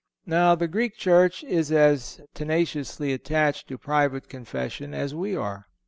Now, the Greek church is as tenaciously attached to private Confession as we are.